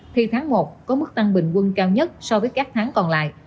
thì tháng một có mức tăng bình quân cao nhất so với các tháng còn lại